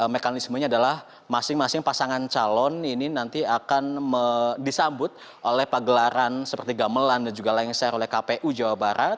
mekanismenya adalah masing masing pasangan calon ini nanti akan disambut oleh pagelaran seperti gamelan dan juga lengser oleh kpu jawa barat